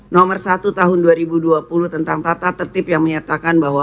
nomor satu tahun dua ribu dua puluh tentang tata tertib yang menyatakan bahwa